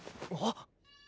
あっ！？